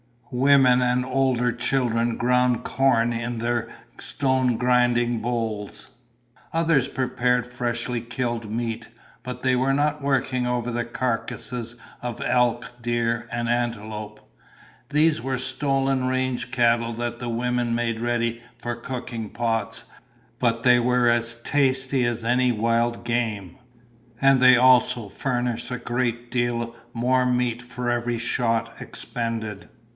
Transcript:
Women and older children ground corn in their stone grinding bowls. Others prepared freshly killed meat, but they were not working over the carcasses of elk, deer, and antelope. These were stolen range cattle that the women made ready for cooking pots. But they were as tasty as any wild game. And they also furnished a great deal more meat for every shot expended.